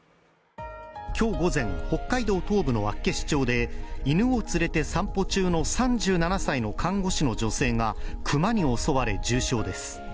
今日午前、北海道東部の厚岸町で犬を連れて散歩中の３７歳の看護師の女性がクマに襲われ重傷です。